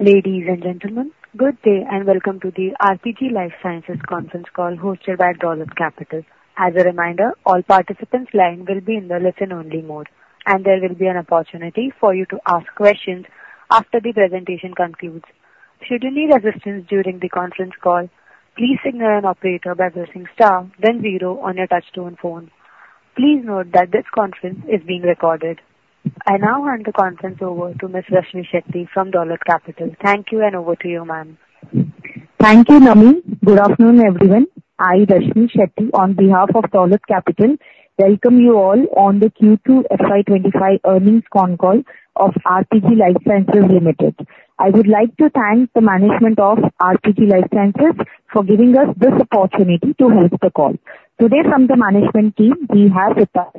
Ladies and Gentlemen, good day and welcome to the RPG Life Sciences Conference call hosted by Dolat Capital. As a reminder, all participants line will be in the listen only mode and there will be an opportunity for you to ask questions after the presentation concludes. Should you need assistance during the conference call, please signal an operator by pressing star then zero on your touch-tone phone. Please note that this conference is being recorded. I now hand the conference over to Ms. Rashmmi Shetty from Dolat Capital. Thank you and over to you, Ma'am. Thank you, Nami. Good afternoon, everyone. I'm Rashmmi Shetty, on behalf of Dolat Capital. We welcome you all on the Q2 FY 2025 Earnings Con Call of RPG Life Sciences Limited. I would like to thank the management of RPG Life Sciences for giving us this opportunity to host the call. Today from the management team we have with us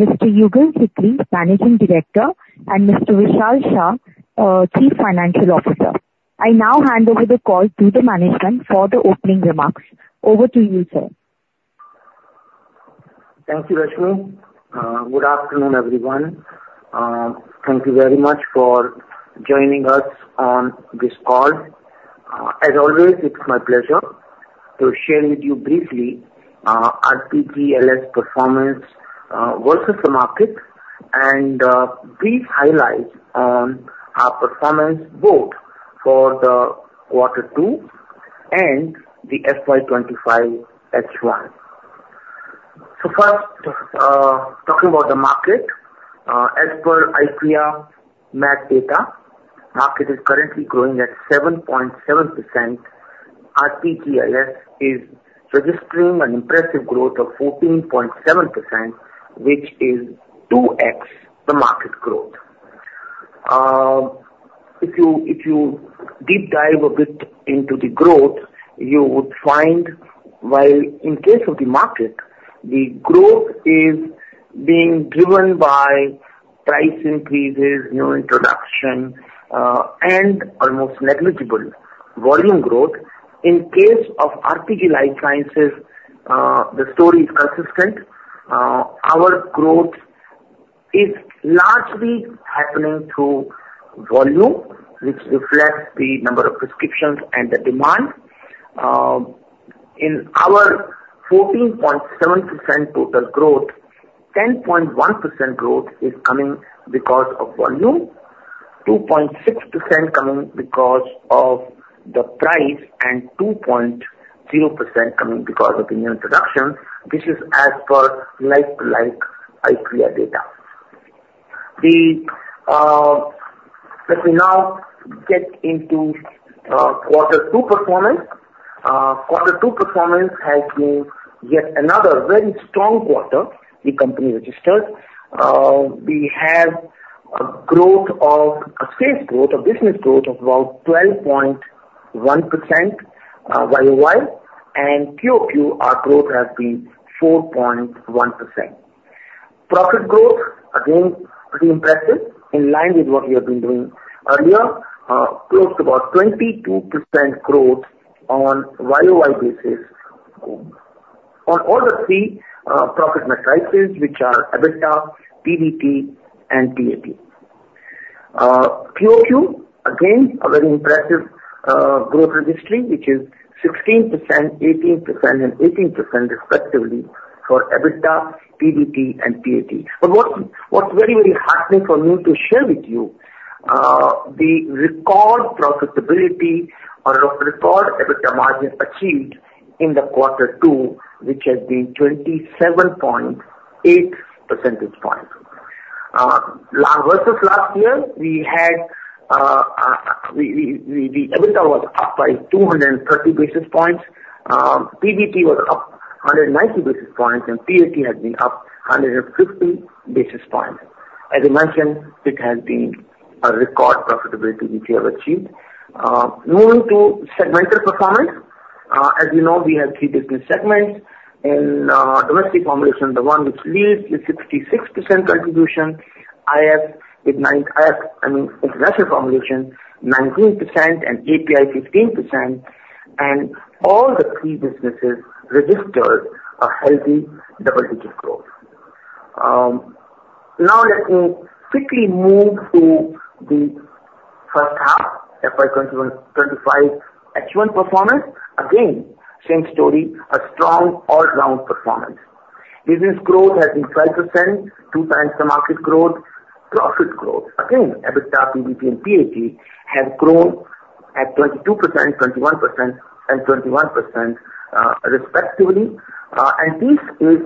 Mr. Yugal Sikri, Managing Director, and Mr. Vishal Shah, Chief Financial Officer. I now hand over the call to the management for the opening remarks. Over to you, sir. Thank you, Rashmi. Good afternoon, everyone. Thank you very much for joining us on this call. As always, it's my pleasure to share with you briefly RPG LS performance versus the market and these highlights on our performance, both for the quarter two and the FY 2025 H1, so first talking about the market. As per IPM MAT data, market is currently growing at 7.7%. RPG LS is registering an impressive growth of 14.7%, which is 2x the market growth. If you deep dive a bit into. The growth you would find, while in case of the market, the growth is. Being driven by price increases, new introduction. Almost negligible volume growth. In case of RPG Life Sciences the story is consistent. Our growth is largely happening through volume. Which reflects the number of prescriptions and the demand. In our 14.7% total growth, 10.1% growth is coming because of volume, 2.6% coming because of the price and 2.0% coming because of the new introduction. This is as per like to like IPM data. Let me now get into quarter two performance. Quarter two performance has been yet another. Very strong quarter. Company registered. We have a growth of 8% sales. Growth, a business growth of about 12.1% YoY and QoQ our growth has been 4.1% profit growth again pretty impressive in line with what we have been doing earlier. Close to about 22% growth on YoY basis on all the three profit metrics. Which are EBITDA, PBT and PAT. Again, a very impressive growth trajectory which is 16%, 18% and 18% respectively for EBITDA, PBT and PAT. But what's very very heartening for me. To share with you, the record profitability. Our record EBITDA margin achieved is in. The quarter two which has been 27.8. Percentage points versus last year. We had the EBITDA was up by 230 basis points. PBT was up 190 basis points. And PAT has been up 150 basis points. As I mentioned it has been a record profitability which we have achieved. Moving to segmental performance, as you know. We have three different segments in domestic. Formulations, the one which leads with 66%. Contribution IF. International formulations 19% and API. 15% and all the three businesses registered. A healthy double digit growth. Now let me quickly move to the first half FY 2025 H1 performance. Again same story, a strong all round performance. Business growth has been 12%, two times the market growth. Profit growth again EBITDA, PBT and PAT has grown at 22%, 21% and 21% respectively, and this is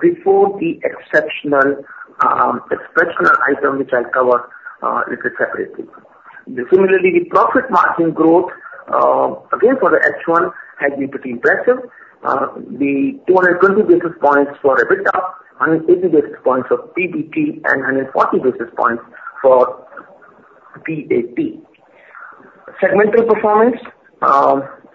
before the exceptional item which I'll cover separately. Similarly the profit margin growth again for the H1 has been pretty impressive. The 220 basis points for EBITDA, 180 basis points of PBT and 140 basis points for PAT. Segmental performance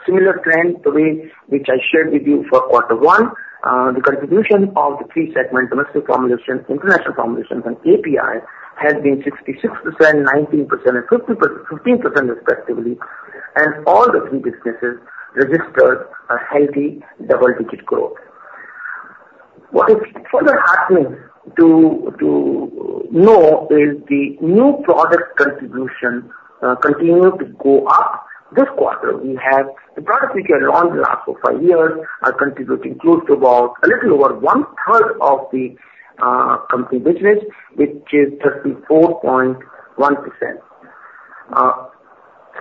similar trend. The way which I shared with you. For quarter one, the contribution of the three segments—domestic formulations, international formulations, and API—has been 66%, 19%, and 15% respectively, and all three businesses registered a healthy double-digit growth. What is further heartening to note is the new product contribution continues to go up. This quarter we have the products which are launched in the last four, five years are contributing close to about a little over one-third of the company business, which is 34.1%.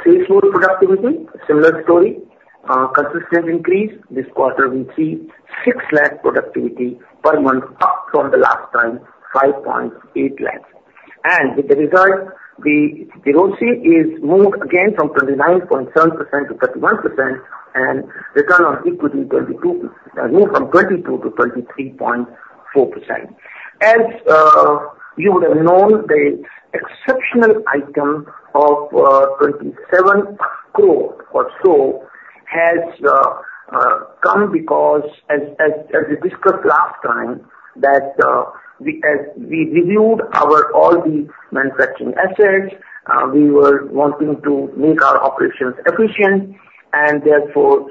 Sales force productivity similar story consistent increase. This quarter we see 6 lakh productivity per month up from the last time 5 lakh and with. The result, the ROCE is moved again. From 29.7%-31% and return on equity moved from 22%-23.4%. As you would have known, the exceptional. item of 27 crore or so has come because, as discussed last time. That we reviewed all the manufacturing assets. We were wanting to make our operations efficient and therefore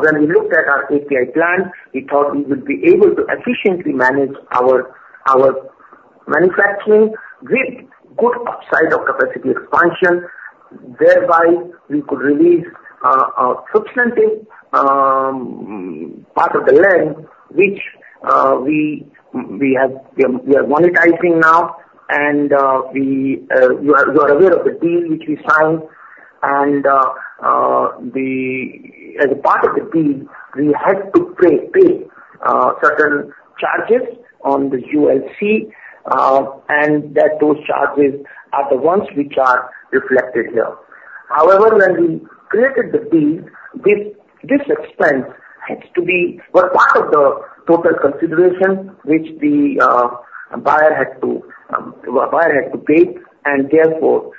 when we looked at our API plant we thought we would be able to efficiently manage our manufacturing with good upside of capacity expansion. Thereby we could release our substantial part. Of the land which. We are monetizing now. And you are aware of the deal. Which we signed and. As a part. Of the deal we had to pay. Certain charges on the ULC and that. Those charges are the ones which are reflected here. However, when we created the deal this. Expense has to be part of the. Total consideration which the. Buyer had to. Pay and therefore.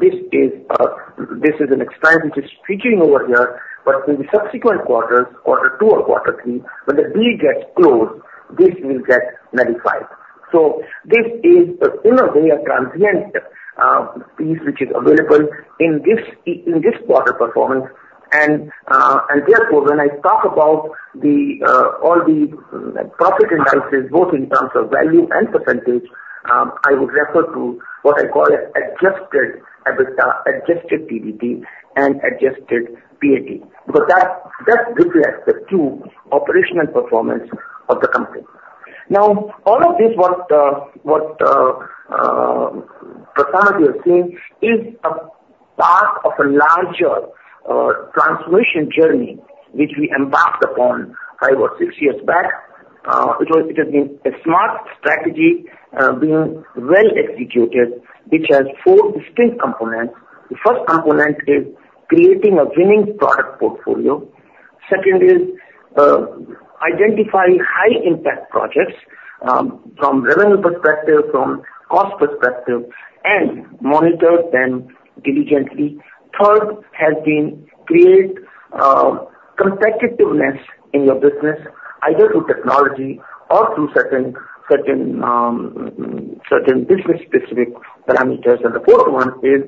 This is an expense which is stretching over here. But in the subsequent quarters, quarter two or quarter three when the deal gets closed, this will get nullified. So this is in a way a transient which is available in this quarter performance and therefore when I talk about all the profit indices both in terms of value and percentage, I would refer to what I call adjusted EBITDA, adjusted. PBT and adjusted PAT because that reflects. The true operational performance of the company. Now all of this what presentation you are seeing is a part of a larger transformation journey which we embarked. About five or six years back. It has been a smart strategy being well executed which has four distinct components. The first component is creating a winning product portfolio. Second is identify high impact projects from revenue perspective, from cost perspective, and monitor them diligently. Third has been create competitiveness in your. Business either through technology or through certain business specific parameters. And the fourth one is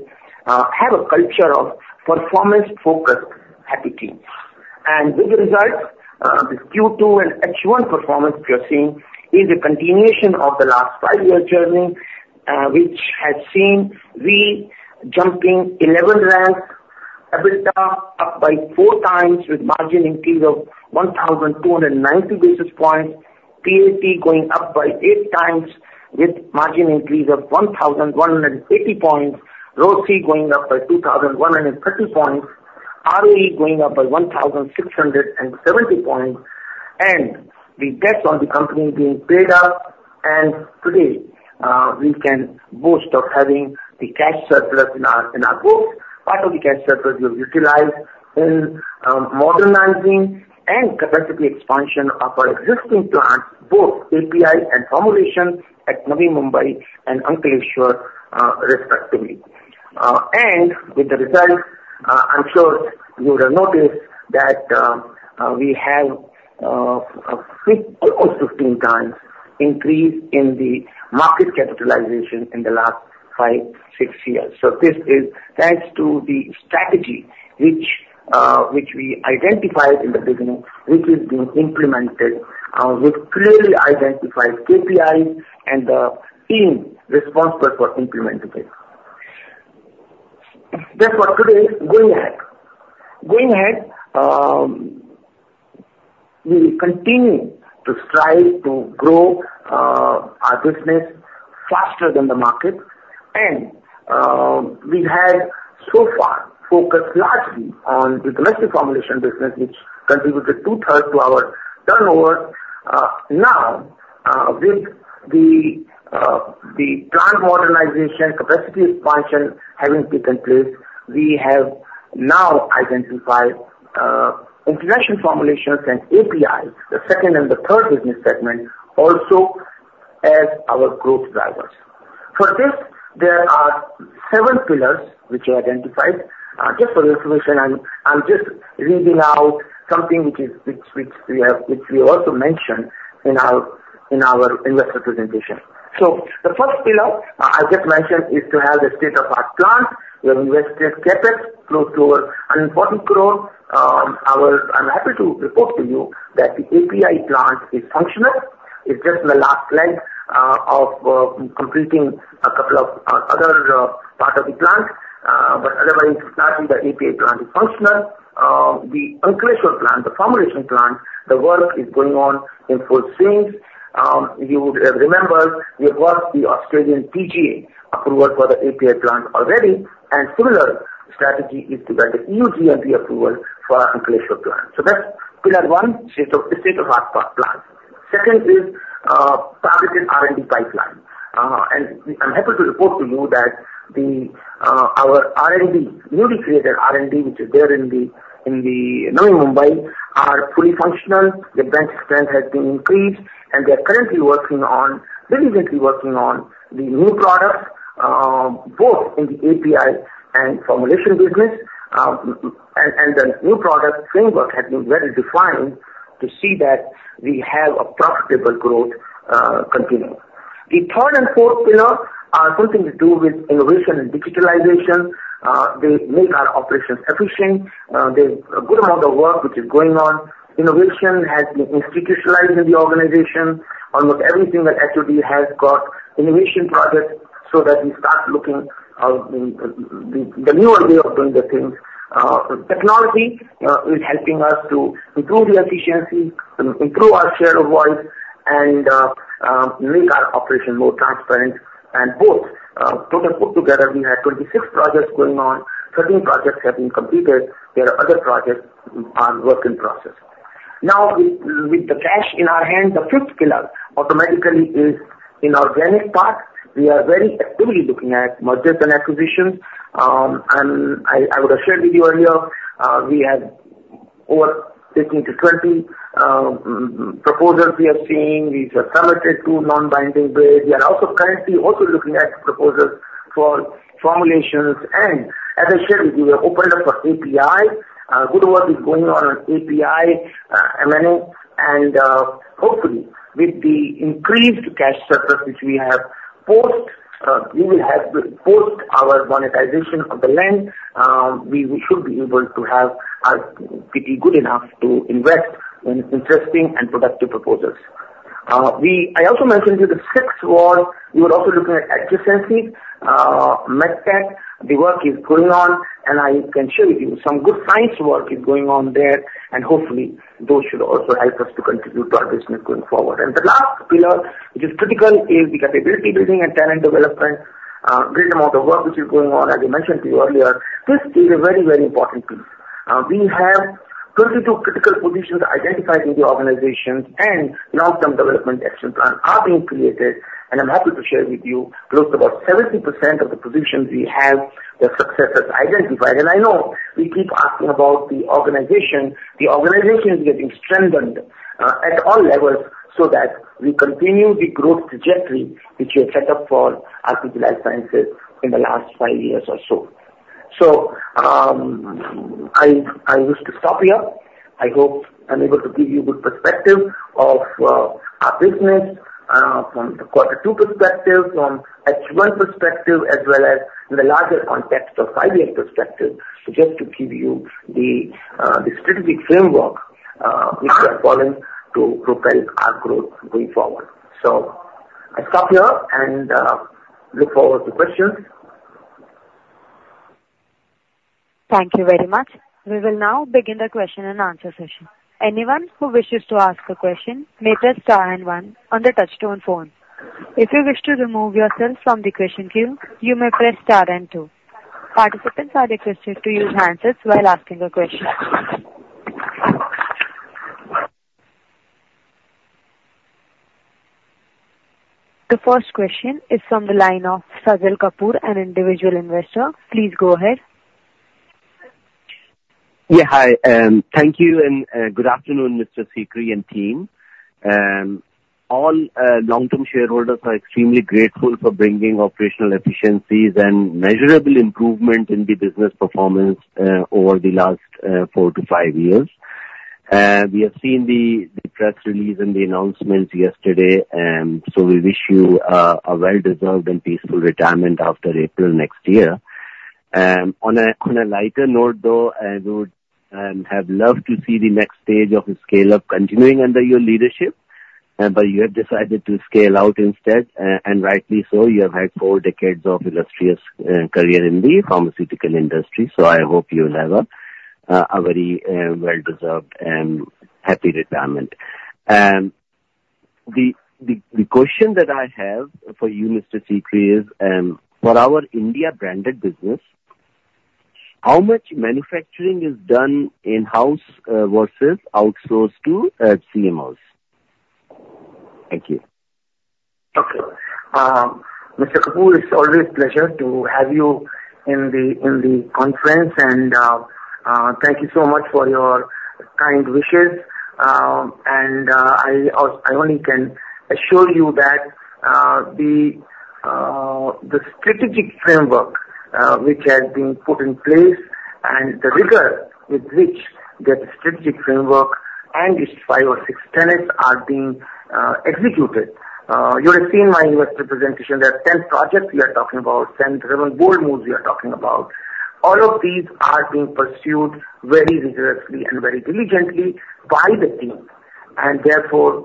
have a culture of performance focused and with the result the Q2 and H1 performance you're. Seeing is a continuation of the last five-year journey which has seen we. Jumping 11 ranks, EBITDA up by four times with margin increase of 1290 basis points. Points, PAT going up by eight times. With margin increase of 1,180 points, ROCE going up by 2,130 points, ROE going up by 1,670 points and the debts on the company being paid up, and today we can boast of having. The cash surplus in our books. Part of the cash surprise we have utilized in modernizing and capacity expansion of our existing plants, both API and formulation at Navi Mumbai and Ankleshwar respectively. And with the result, I'm sure you. Would have noticed that we have. Almost 15x increase in the market capitalization. In the last five-six years. So this is thanks to the strategy which we identified in the business which. Is being implemented with clearly identified KPIs and the team responsible for implementing it. That's what today going ahead. We continue to strive to grow our business faster than the market, and we had so far focused largely on the domestic formulation business, which contributed 2/3 to. Our. Now with the plant modernization capacity expansion having taken place, we have now identified international formulations and APIs, the second and the third business segment also as our growth drivers. For this there are several pillars which I identified just for information. I'm just reading out something which we also mentioned in our investor presentation. So the first pillar I just mentioned is to have the state of our plant. We have invested CapEx close to 100 crore. I'm happy to report to you that the API plant is functional. It's just in the last leg of completing a couple of other part of the plant but otherwise the API plant is functional. The Ankleshwar plant, the formulation plant the work is going on in full swing. You would remember we have worked the TGA approval for the API plant already and similar strategy is to get the EU GMP approval for plants. That's pillar one state-of-the-art plant. Second is targeted R&D pipeline, and I'm happy to report to you that our newly created R&D, which is there in. The Navi Mumbai are fully functional. The branch strength has been increased and they're currently working diligently on the new products both in the API and formulation business and the new product framework has been very defined to see that we have a profitable growth continuum. The third and fourth pillar are something to do with innovation and digitalization. They make our operations efficient. There's a good amount of work which is going on. Innovation has been institutionalized in the organization. Almost every single has got innovation projects so that we start looking the newer way of doing the things. Technology is helping us to improve the efficiency, improve our share of voice and make our operation more transparent and both put together. We had 26 projects going on. 13 projects have been completed. There are other projects in work. Process now with the cash in our hand. The fifth pillar automatically is the inorganic part. We are very actively looking at mergers and acquisitions, and I would have shared with you earlier we have over 15-20 proposals we are seeing. These are submitted to non-binding bids. We are also currently looking at proposals for formulations, and as I shared with you we have opened up for API. Good work is going on on API. MAT and hopefully with the increased cash surplus which we have. Post our monetization of the land, we should be able to have good enough to invest in interesting and productive proposals. I also mentioned the sixth one. We were also looking at adjacency MedTech. The work is going on and I. Can share with you some good science work is going on there and hopefully. Those should also help us to contribute to our business going forward, and the last pillar which is critical. Is the capability building and talent development? Great amount of work which is going on. As I mentioned to you earlier, this is a very, very important piece. We have 32 critical positions identified in the organizations and long term development action plan are being created and I'm happy. To share with you. Close to about 70% of the positions we have were successors identified, and I know we keep asking about the organization. The organization is getting stronger at all. Levels so that we continue the growth. Trajectory which we have set up for RPG Life Sciences in the last five years or so. So. I wish to stop here. I hope I'm able to give you good perspective of our business from the quarter two perspective, from H1 perspective as well as the larger context of guidance perspective. So just to give you the strategic framework which we have followed to propel our growth going forward. So I'll stop here and look forward to questions. Thank you very much. We will now begin the question and answer session. Anyone who wishes to ask a question may press star and one on the touch-tone phone. If you wish to remove yourself from the question queue, you may press star, enter. Participants are requested to use handsets while asking a question. The first question is from the line of Sajal Kapoor, an individual investor. Please go ahead. Yeah. Hi. Thank you and good afternoon. Mr. Sikri and team. All long-term shareholders are extremely grateful for bringing operational efficiencies and measurable improvement in the business performance over the last four to five years. We have seen the press release and the announcements yesterday. So we wish you a well deserved and peaceful retirement after April next year. On a lighter note though, I would have loved to see the next stage of scale up continuing under your leadership. But you have decided to scale out instead, and rightly so. You have had four decades of illustrious career in the pharmaceutical industry. So I hope you will have a very well deserved and happy retirement. The question that I have for you, Mr. Sikri, is for our India branded business. How much manufacturing is done in house versus outsourced to CMOs? Thank you. Okay. Mr. Kapoor, it's always pleasure to have. You in the conference and. Thank you so much for your kind wishes, and I only can assure you that the strategic framework which has been put in place and the rigor with which the strategic framework and its five or six tenets are being executed. You have seen my investor representation. There are 10 projects. We are talking about bold moves. We are talking about all of these are being pursued very rigorously and very. Diligently by the team. Therefore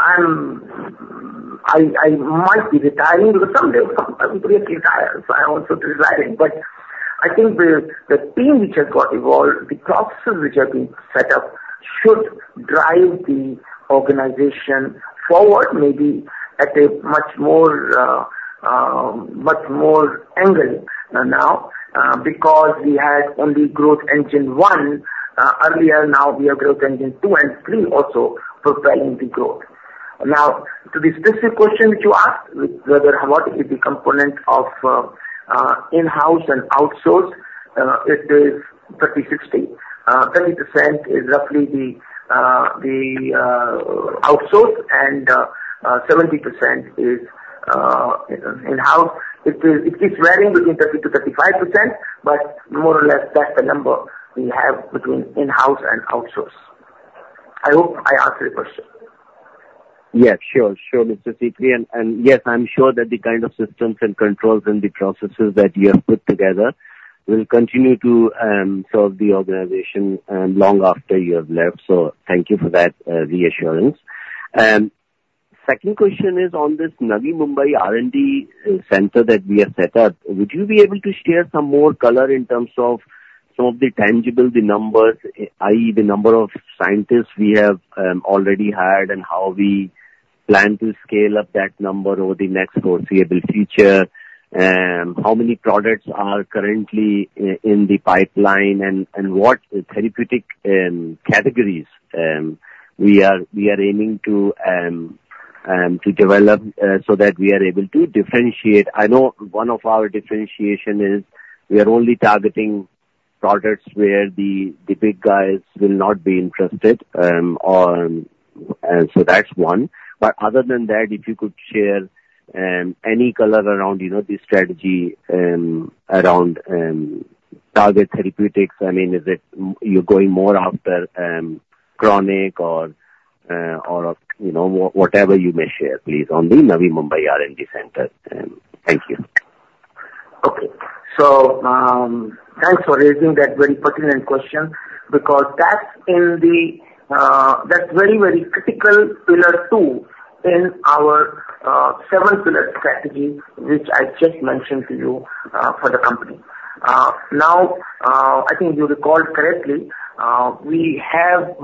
I might be retiring someday. I'm great retire. I also retire. But I think the team which has got evolved. The processes which have been set up should drive the organization forward maybe at a much more angle now because we had only growth engine one earlier. Now we have growth engine two and three also propelling the growth. Now to the specific question which you. Asked whether what is the component of. In-house and outsourced? It is 30%, 60%, 70% roughly. The. Outsourced, and 70% is in house. It keeps varying between 30%-35%. But more or less that's the number we have between in house and outsource. I hope I answered your question. Yes, sure. Sure, Mr. Sikri. And yes, I'm sure that the kind of systems and controls and the processes that you have put together will continue to serve the organization long after you have left. So thank you for that reassurance. Second question is on this Navi Mumbai R&D Center that we have. Set up, would you be able to? Share some more color in terms of some of the tangible the numbers, that is the number of scientists we have already hired and how we plan to scale up that number over the next foreseeable future. How many products are currently in the pipeline and what therapeutic categories we are aiming to develop so that we are able to differentiate. I know one of our differentiation is we are only targeting products where the big guys will not be interested. So that's one. But other than that, if you could share any color around this strategy around targeted therapeutics. I mean is it you're going more after chronic or you know, whatever. You may share please on the Navi Mumbai R&D Center. Thank you. Okay, so thanks for raising that very. Pertinent question because that's in the. Very, very critical pillar two in our seven pillar strategies which I just mentioned to you for the company. Now I think you recall correctly, we have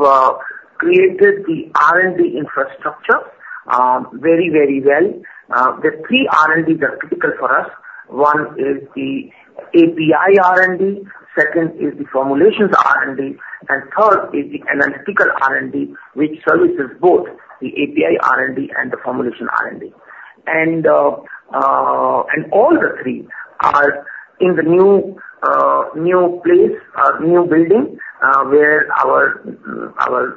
created. The R&D infrastructure very very well. The three R&D's are critical for us. One is the API R&D. Second is the formulations R&D and third. Is the analytical R&D which serves both the API R&D. And the formulation R&D. And. All the three are in the new place, new building where our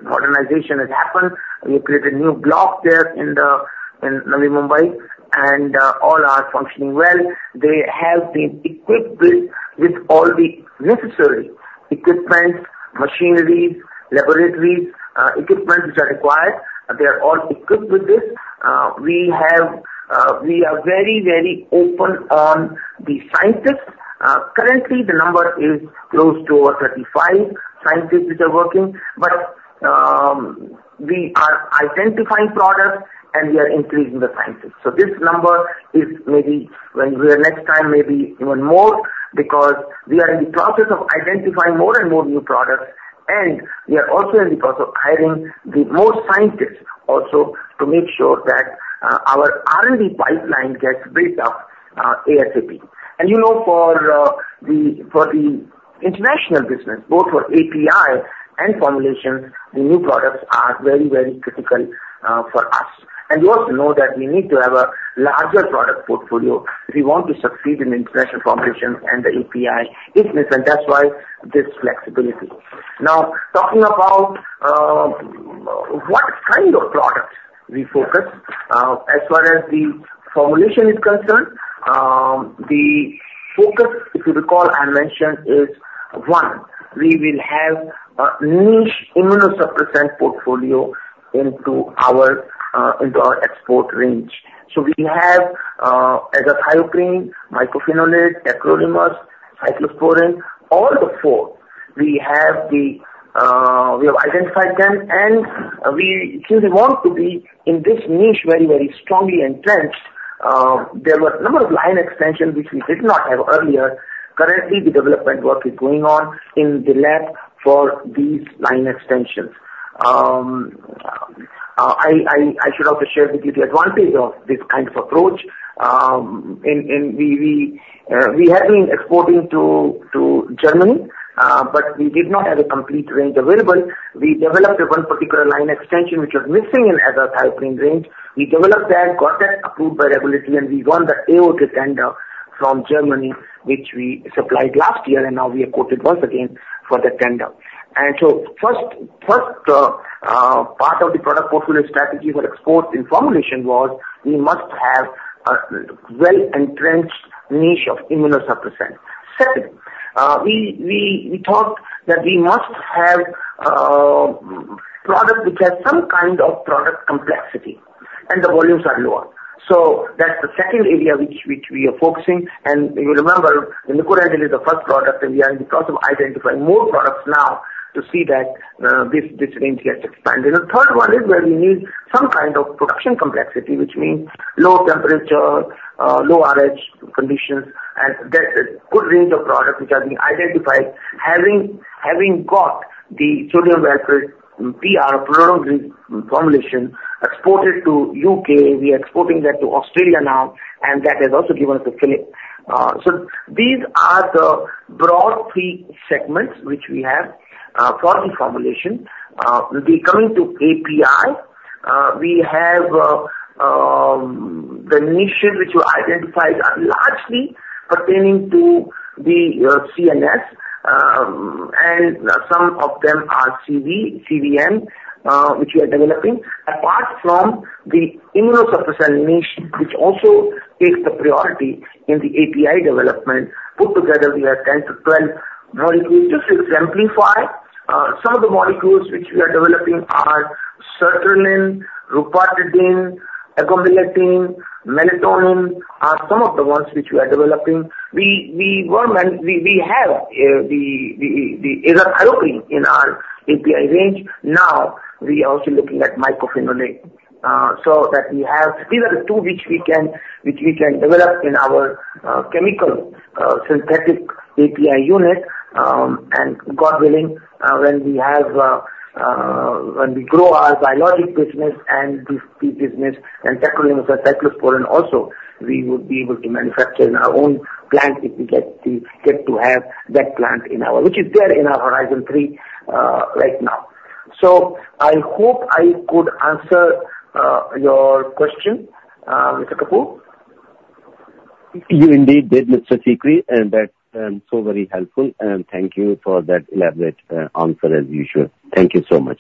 modernization has happened. We created new block there in Navi Mumbai and all are functioning well. They have been equipped with all the. Necessary equipment, machineries, laboratories, equipment which are required. They are all equipped with this. We are very, very open on the scientists. Currently the number is close to 35 scientists which are working. But we are identifying products and we are increasing the sciences. So this number is maybe when we are next time, maybe even more because we are in the process of identifying more and more new products and we are also in the process of hiring the most scientists also to make sure that our R&D pipeline gets built up ASAP. And you know, for the international business. Both for API and formulation, the new. Products are very, very critical for us. And you also know that we need to have a larger product portfolio. We want to succeed in international formulation and the API is missing. That's why this flexibility. Now talking about what kind of products we focus as far as the formulation is concerned, the focus, if you recall. I mentioned, is one, we will have. Niche immunosuppressant portfolio into our export range. So we have azathioprine, mycophenolate, tacrolimus, cyclosporine, all the four we have. Have identified them and we truly want to be in this niche very, very strongly entrenched. There were a number of line extensions. Which we did not have earlier. Currently the development work is going on. In the lab for these line extensions. I should also share the advantage of this kind of approach. We have been exporting to Germany but we did not have a complete range available. We developed one particular line extension which. Was missing in azathioprine range. We developed that, got that approved by regulatory, and we won the AOK tender. From Germany which we supplied last year. And now we are quoted once again for the tender. And so first part of the product. Portfolio strategy for export in formulation was. We must have a well entrenched niche of immunosuppressants. Second, we thought that we must have. Product which has some kind of product complexity and the volumes are lower. That's the second area which we are focusing. You remember the nicorandil is the first product and we are in the process of identifying more products now. To see that this range gets expanded. The third one is where we need some kind of production complexity which means low temperature, low RH conditions and good range of products which are being identified. Having got the sodium valproate PR formulation exported to U.K., we are exporting that to Australia now and that has also. Given us a feeling. So, these are the broad three segments which we have for the formulations. We'll be coming to API. We have the initiatives which were identified largely pertaining to the CNS and some of them are CV, CVM which we are developing. Apart from the immunosuppressants which also takes the priority in the API development but. Together we have 10-12 molecules. Just to exemplify, some of the molecules which we are developing are sertraline, rupatadine, agomelatine, melatonin. We have the azathioprine in our API range. Now we are also looking at mycophenolate so that we have these are the two which we can develop in our chemical synthetic API unit. God willing, when we grow our biologic business and tacrolimus, cyclosporine, we would also be able to manufacture in our own plant. If we get to have that plant. In our which is there in our. Horizon 3 right now. So I hope I could answer your question, Mr. Kapoor. You indeed did, Mr. Sikri, and that's so very helpful, and thank you for that elaborate answer as usual. Thank you so much.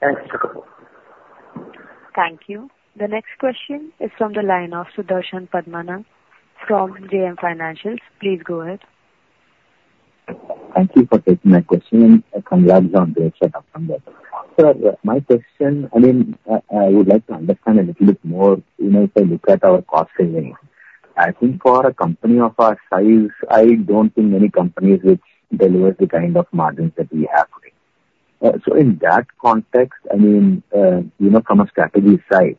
Thanks. Thank you. The next question is from the line of Sudarshan Padmanabhan from JM Financial. Please go ahead. Thank you for taking my question and congrats on great setup from there. My question, I mean I would like to understand a little bit more. You know if I look at our cost savings I think for a company of our size I don't think many companies which delivers the kind of margins that we have. So in that context I mean you know from a strategy side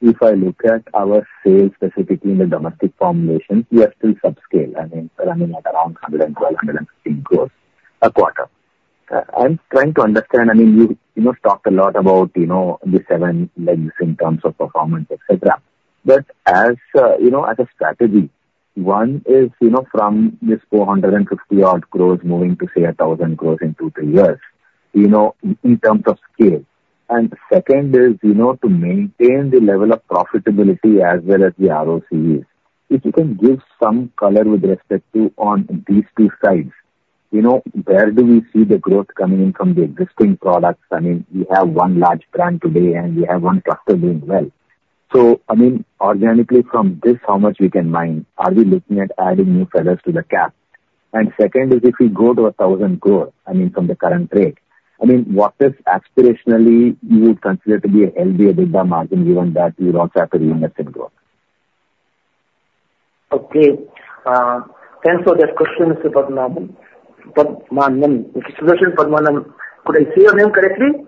if I look at our sales specifically in the domestic formulation we are still subscale, I mean running at around 112 crore a quarter. I'm trying to understand. I mean you talked a lot about you know the seven legs in terms of performance etc. But as you know as a strategy one is from this 450-odd crore moving to say 1,000 crore in two-three years in terms of scale. Second is to maintain the level of profitability as well as the ROCE. If you can give some color with respect to on these two sides where do we see the growth coming in from the existing products? I mean we have one large brand today and we have one cluster doing well. So I mean organically from this how much we can mine are we looking at adding new feathers to the cap. Second is if we go to 1,000 crore, I mean from the current rate, I mean what if aspirationally you would consider to be a healthy EBITDA margin given that you don't have to reinvest in growth. Okay, thanks for that question, Mr. Padmanabhan. Could I say your name correctly?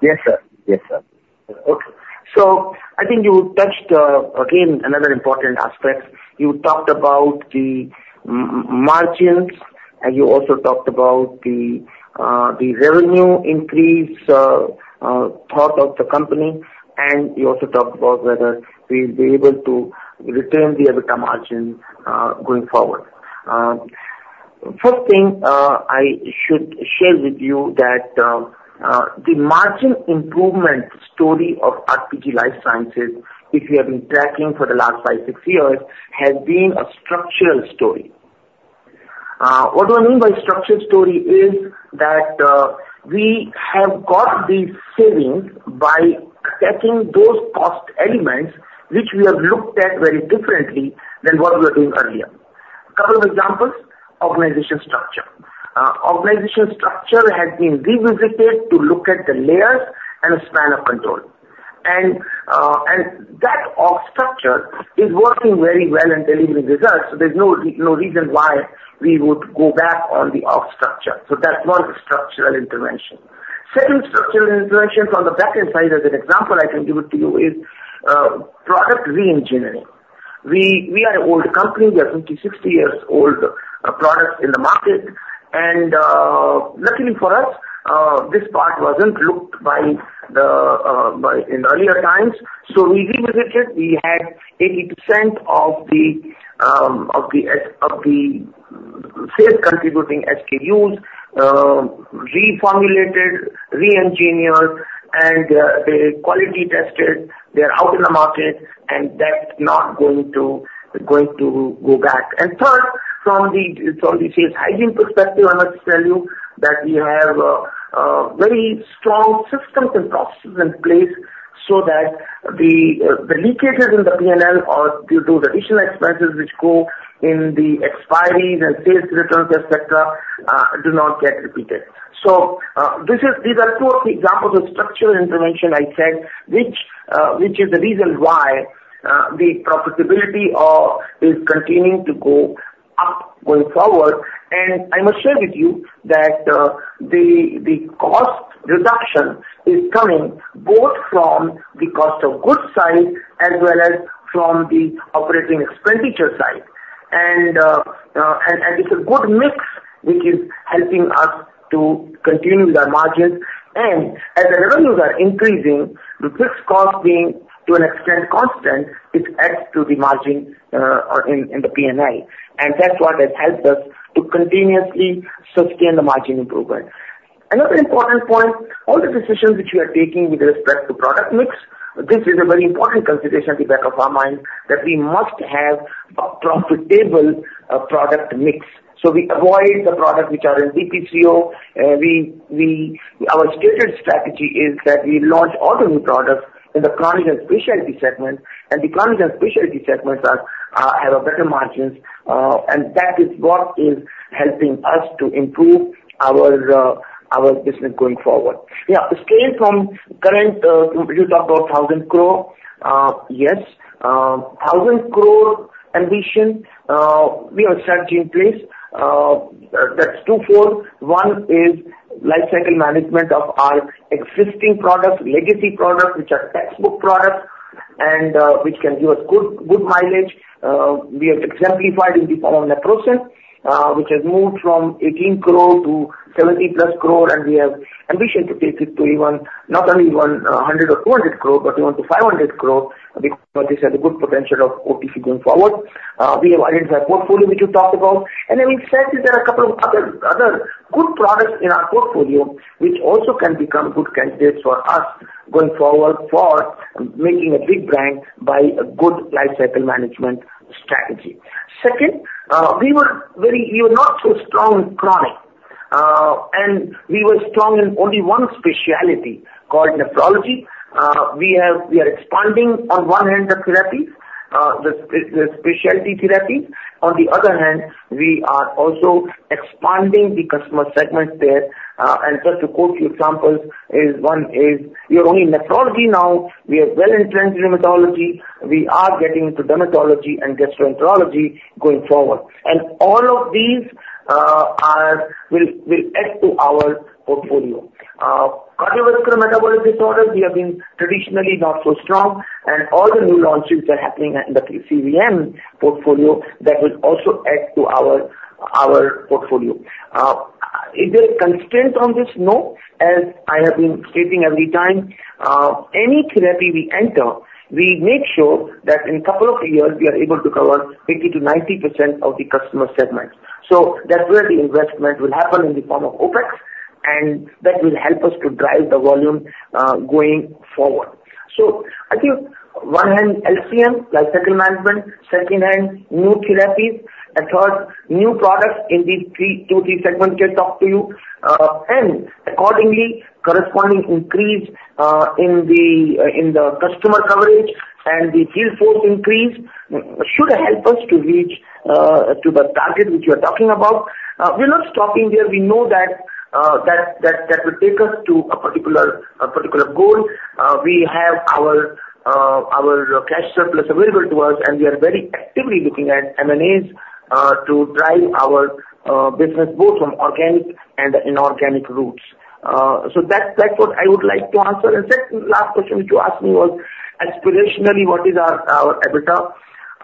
Yes sir. Yes sir. Okay, so I think you touched again another important aspect. You talked about the margins and you. Also talked about the revenue increase thought of the company and you also talked about whether we'll be able to return. The EBITDA margin going forward. First thing I should share with you that the margin improvement story of RPG. Life Sciences, which we have been tracking for the last five, six years, has been a structural story. What do I mean by structured story? It's that we have got the savings by setting those cost elements which we have looked at very differently than what. We were doing earlier. Couple of examples organization structure. Organizational structure has been revisited to look at the layers and a span of. Control and that org structure is working. Very well in delivering results. So there's no reason why we would. Go back on the org structure. So, that's not structural intervention. Second, structural intervention from on the back. End side, as an example I can give it to you, is product re-engineering. We are an old company, we are 50-60 years old products in the. Market, and luckily for us, this part wasn't looked by in earlier times. So, we revisited. We had 80% of the sales contributing SKU reformulated, re-engineered, and they quality tested. They're out in the market and that. Not going to go back. Third, from the sales hygiene perspective. I must tell you that we have. Very strong systems and processes in place so that the leakages in the P&L or due to the additional. Expenses which go in the expiry and sales returns et cetera do not get repeated. So these are two of the examples of structural intervention I said which is the reason why the profitability is continuing. To go up going forward. I must share with you that the cost reduction is coming both from the cost of goods side as well as from the operating expenditure side. It's a good mix which is helping us to continue the margins. And as the revenues are increasing, the. Fixed cost being to an extent constant, it adds to the margin in the. P&L and that's what has helped us to continuously sustain the margin improvement. Another important point, all the decisions which we are taking with respect to product. Next, this is a very important consideration. At the back of our mind, that. We must have a profitable product mix so we avoid the product which are in DPCO. Our stated strategy is that we launch. All the new products in the chronic. Specialty segment and the chronic. Specialty segments have a better margins and. That is what is helping us to. Improve our business going forward. Scale from current. You talk about 1,000 crore. Yes, 1,000 crore. Ambition. We have a strategy in place that's twofold. One is life cycle management of our. Existing products, legacy products which are textbook. Products and which can give us good. Good mileage we have exemplified in the form of Naprosyn which has moved from 18 crore to 70+ crore and we have ambition to take it to. Even not only 100 crore or 200 crore but even to 500 crore because this has a good potential of OTC going forward. We have identified portfolio which we talked. About and having said that there are. A couple of other good products in our portfolio which also can become good candidates for us going forward for making. A big brand by a good life cycle management strategy. Second, we were not so strong in chronic and we were strong in only one specialty called nephrology. We have, we are expanding on one hand the therapy, the specialty therapy. On the other hand we are also expanding the customer segments there. And just to quote you examples, one. It's not only nephrology. Now we are well entrenched in rheumatology. We are getting into dermatology and gastroenterology going forward and all of these will. Add to our portfolio. Cardiovascular metabolic disorders. We have been traditionally not so strong and all the new launches are happening in the CVM portfolio that will also. Add to our portfolio. Is there a constraint on this? No. As I have been stating every time any therapy we enter we make sure that in a couple of years we are able to cover 50%-90%. Of the customer segments. So that's where the investment will happen. In the form of OpEx and that will help us to drive the volume going forward. So, I think one hand LCM Life Cycle Management, second hand new therapies and third new products in these two three segments can talk to you and accordingly. Corresponding increase. In the customer coverage and the field force increase should help us. To reach to the target which you are talking about. We are not stopping there. We know that that will take us to a particular goal. We have our cash surplus available to us and we are very actively looking. Aim is to drive our. Business both from organic and inorganic routes. So that's what I would like to answer. Second last question which you asked. What was aspirationally what is our EBITDA?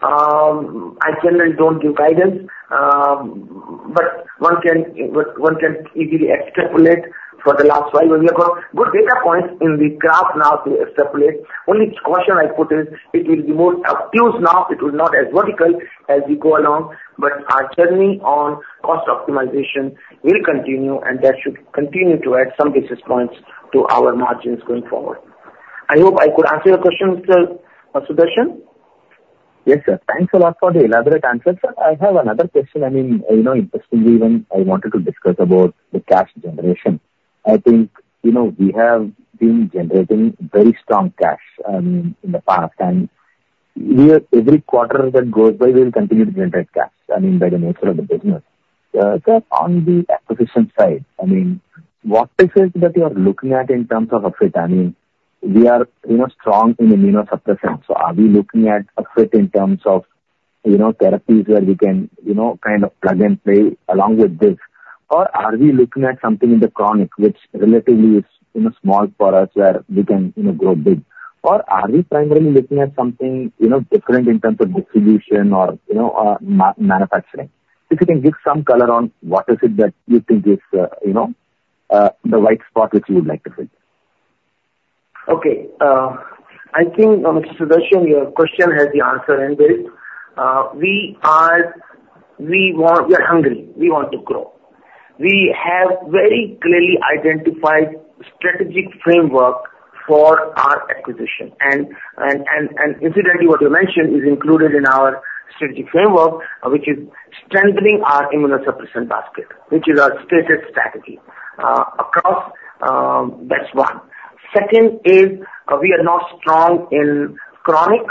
I generally don't give guidance, but one. Can easily extrapolate for the last while we have got good data points in the graph. Now, to extrapolate, only caution I put is it will be more obtuse now. It will not as vertical as we go along, but our journey on cost optimization will continue and that should continue. To add some basis points to our margins going forward. I hope I could answer your question, Sudarshan. Yes sir. Thanks a lot for the elaborate answer. Sir, I have another question. I mean, you know, interestingly when I wanted to discuss about the cash generation, I think you know, we have been generating very strong cash in the past and every quarter that goes by, we will continue to generate cash. I mean by the nature of the business on the acquisition side, I mean what is it that you are looking at in terms of we are strong in immunosuppressants. So are we looking at a fit in terms of therapies where we can kind of plug and play along with this or are we looking at something in the chronic which relatively is small for us, where we can grow big or are we primarily looking at something different in terms of distribution or manufacturing? If you can give some color on what is it that you think is the white spot which you would like to fill? Okay, I think Mr. Sudarshan, your question. Has the answer in this. We are hungry, we want to grow. We have very clearly identified strategic framework for our acquisition. And incidentally what you mentioned is included in our strategic framework which is strengthening. Our immunosuppressant basket, which is our stated. Strategically, that's one segment we are not strong in chronic.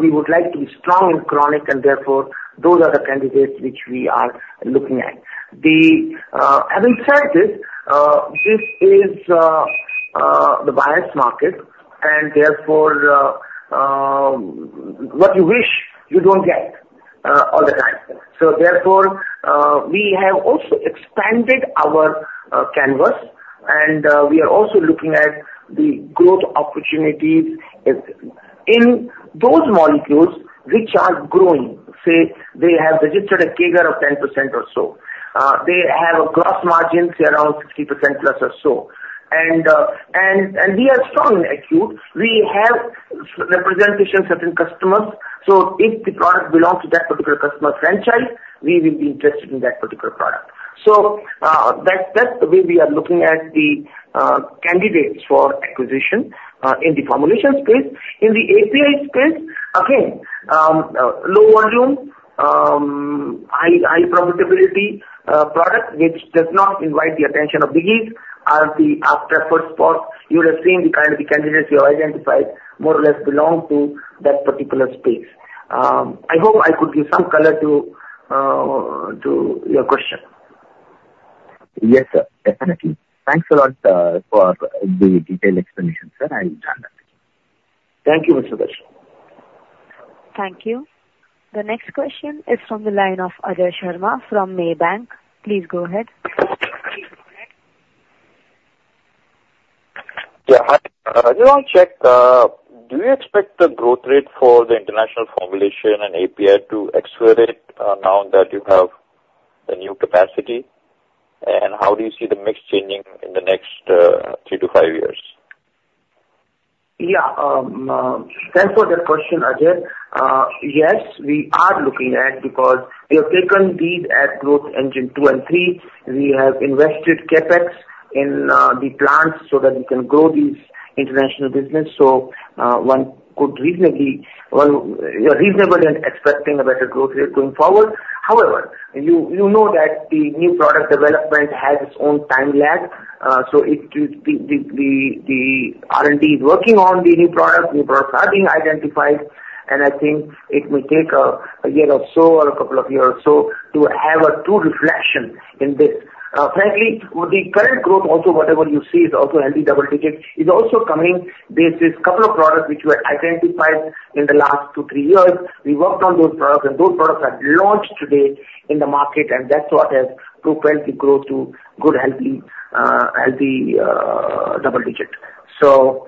We would like to be strong in chronic. And therefore those are the candidates which. We are looking at. Having said this, this is the buyers' market and therefore. What you wish you. Don't get all the time. So therefore we have also expanded our canvas and we are also looking at the growth opportunities in those molecules which are growing. Say they have registered a CAGR of 10% or so. They have a gross margin around 50%+ or so. And we are strong and acute. We have representation certain customers. So if the product belongs to that particular customer franchise we will be interested. In that particular product. So that's the way we are looking. Attract candidates for acquisition in the formulation space, in the API space. Again, low volume, high-profile product which does not invite the attention of biggies. As the after first spots you would. Have seen the kind of candidates you. Identified more or less belong to that particular space. I hope I could give some color to your question. Yes, sir, definitely. Thanks a lot for the detailed explanation. Sir, I'll turn that. Thank you, Mr. Sudarshan. Thank you. The next question is from the line of Ajay Sharma from Maybank. Please go ahead. Do you expect the growth rate for? The international formulation and API to accelerate now that you have the new capacity? And how do you see the mix changing in the next three to five years? Yeah, thanks for that question, Ajay. Yes, we are looking at because we have taken these at Growth Engine 2 and 3, we have invested CapEx in. The plants so that we can grow these international business. So one could reasonably, reasonably expecting a better growth rate going forward. However, you know that the new product. Development has its own time lag. So the R&D is working on the new products. New products are being identified and I. Think it may take a year or so or a couple of years or. So, to have a true reflection in this. Frankly, the current growth also, whatever you see, is also low double digit is also coming. This is a couple of products which were identified in the last two, three. Years we worked on those products and. Those products are launched today in the market and that's what has propelled the. Growth too good, healthy double digit. So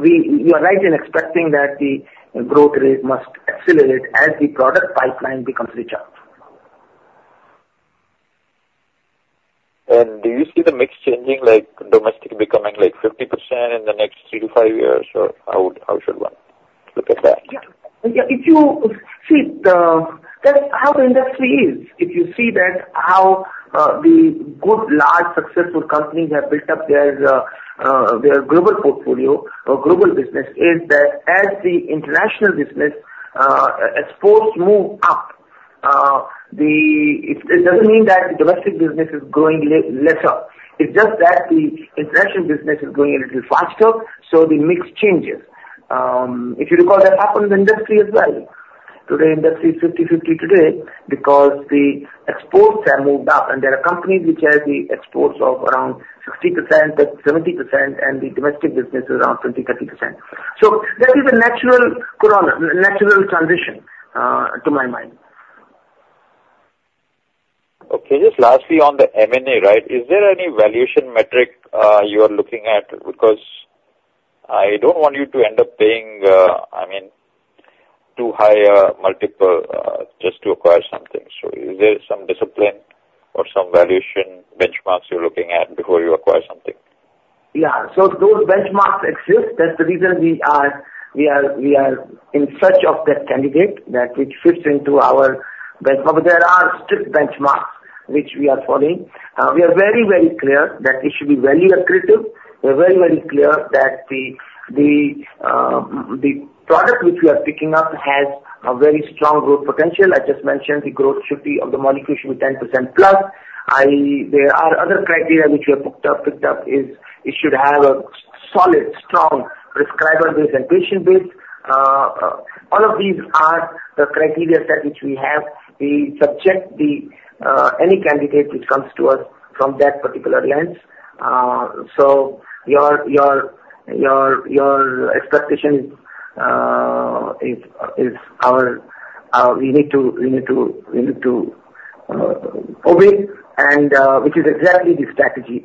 you are right in expecting that the growth rate must accelerate as the product pipeline becomes recharged. Do you see the mix changing? Like domestic becoming like 50% in the next three to five years or how? Should one look at that? If you see how the industry is, if you see that how the good. Large successful companies have built up their. Global portfolio or global business is that as the international business exports move up, it doesn't mean that the domestic business is growing lesser. It's just that the international business is. Going a little faster so the mix changes. If you recall, that happens in industry as well. Today, industry is 50/50. Today, because the exports have moved up and there are companies which have the. Exports of around 60%-70% and the domestic business around 20%-30%. So that is a natural transition to my. Okay, just lastly on the M&A, right, is there any valuation metric you are looking at? Because I don't want you to end up paying, I mean too high multiple just to acquire something. So is there some discipline or some valuation benchmarks you're looking at before you acquire something? Yeah, so those benchmarks exist. That's the reason we are in search. Of that candidate that which fits into our benchmark. There are strict benchmarks which we are following. We are very very clear that it. Should be value accretive. We are very very clear that. The. Product which we are picking up has. A very strong growth potential. I just mentioned the growth should be. Of the molecule should be 10%+. There are other criteria which we have. Picked up. Is it? Should have a. Solid, strong, prescriber based and patient based. All of these are the criteria set which we have. We subject any candidate which comes to. Us from that particular lens. So. Your expectation. As we need to obey and which is exactly the strategy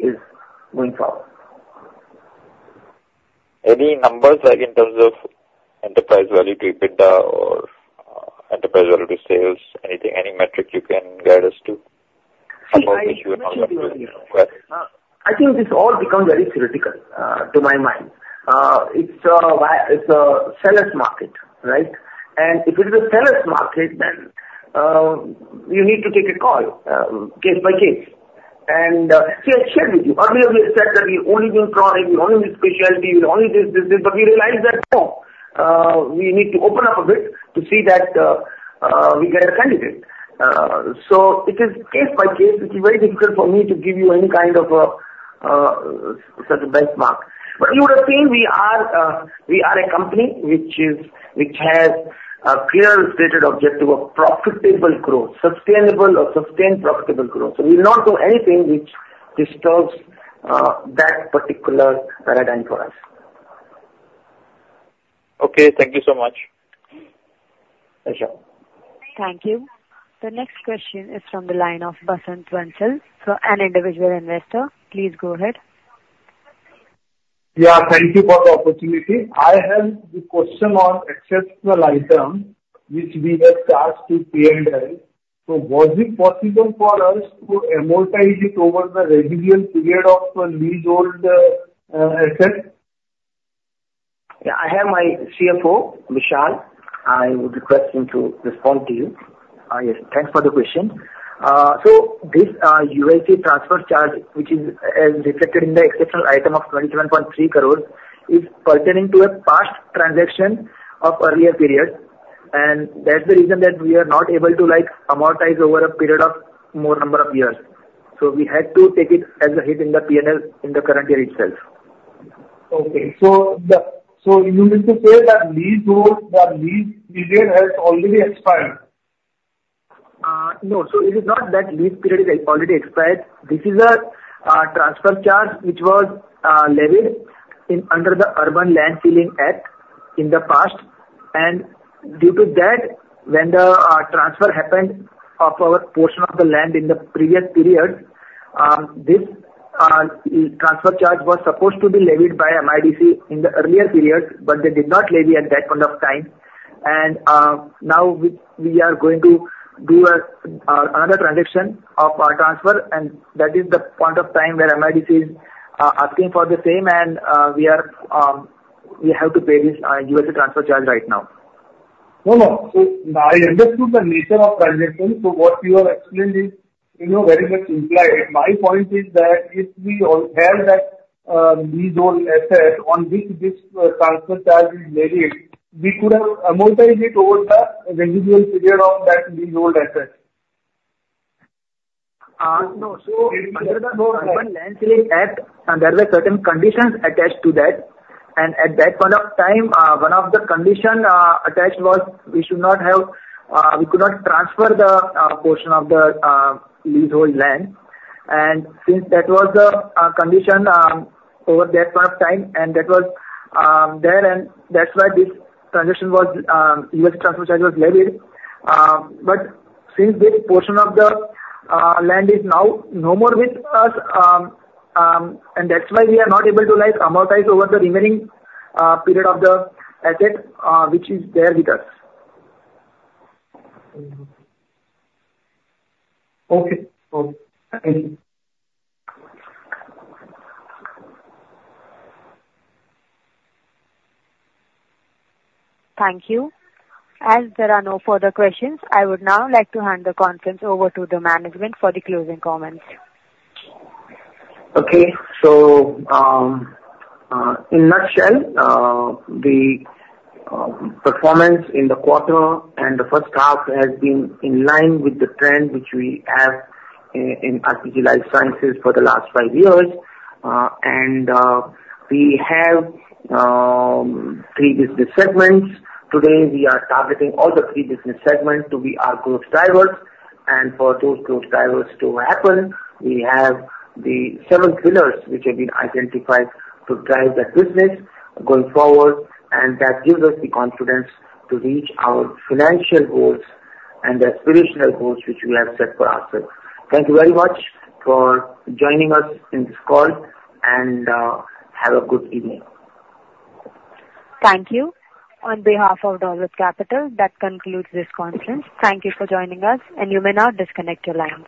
going forward. Any numbers like in terms of enterprise value to EBITDA or enterprise value sales, anything, any metric you can guide us to? I think this all become very critical to my mind. It's a seller's market, right? And if it is a seller's market. And you need to take a call case by case and see. I shared with you earlier. We said that we only will trauma, we only need specialty, we only this, this. But we realize that we need to open up a bit to see that we get a candidate. So it is case by case. It is very difficult for me to give you any kind of benchmark. But you would have seen we are a company which has a clear stated objective of. Profitable growth, sustainable or sustained profitable growth. So we will not do anything which. Disturbs that particular paradigm for us. Okay, thank you so much. Thank you. The next question is from the line of Basant Bansal. So an individual investor, please go ahead. Yeah, thank you for the opportunity. I have the question on exceptional item which we have charged to pay, and so was it possible for us to amortize it over the residual period of leasehold assets? Yeah, I have my CFO Vishal. I would request him to respond to you. Yes, thanks for the question. So this ULC transfer charge which is. As reflected in the exceptional item of. 27.3 crores is pertaining to a past. Transaction of earlier period. And that's the reason that we are. Not able to like amortize over a period of more number of years. So we had to take it as a hit in the P&L in the current year itself. Okay, so you need to say that leasehold, the lease has already expired. No. So it is not that lease period is already expired. This is a transfer charge which was levied under the Urban Land Ceiling Act in the past. And due to that, when the transfer happened of a portion of the land. In the previous period. This transfer charge was supposed to be levied by MIDC in the earlier period, but. But they did not levy at that point of time. Now we are going to do another transaction of our transfer. That is the point of time where MIDC is asking for the same. We have to pay this ULC transfer charge right now. No, no. So I understood the nature of transaction. So what you have explained is very much implied. My point is that if we held that these old assets on which this transfer charge is varied, we could have amortized it over the residual period of that leasehold asset. There were certain conditions attached to that and at that point of time, one of the condition attached was we should not have, we could not transfer the portion of the leasehold land and since that was a condition over that point of time and that was there and that's why this transaction was ULC transfer charge was levied. But since this portion of the land is now no more with us and that's why we are not able to like amortize over the remaining period of the asset which is there with us. Okay, thank you. Thank you. As there are no further questions, I would now like to hand the conference over to the management for the closing comments. Okay, so in a nutshell, the performance in the quarter and the first half has. Been in line with the trend which we have in RPG Life Sciences for the last five years. And we have three business segments today. We are targeting all the three business. Segments to be our growth drivers and for those growth drivers to happen. We have the seven pillars which have. Been identified to drive that business going forward and that gives us the confidence to reach our financial goals and aspirational. Goals which we have set for ourselves. Thank you very much for joining us in this call and have a good evening. Thank you. On behalf of Dolat Capital. That concludes this conference. Thank you for joining us. And you may now disconnect your lines.